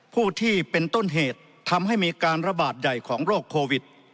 ผู้ที่เป็นต้นเหตุทำให้มีการระบาดใหญ่ของโรคโควิด